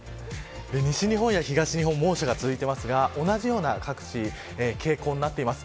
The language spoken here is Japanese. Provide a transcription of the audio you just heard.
西日本や東日本猛暑が続いていますが同じような各地傾向になっています。